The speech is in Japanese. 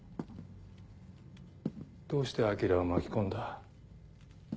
どうしてアキラを巻き込んだ？